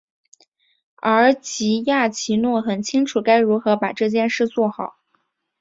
而吉亚奇诺很清楚该如何把这件事做好。